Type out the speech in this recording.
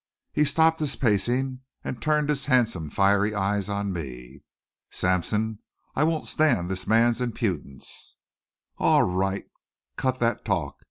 He stopped his pacing and turned his handsome, fiery eyes on me. "Sampson, I won't stand this man's impudence." "Aw, Wright, cut that talk.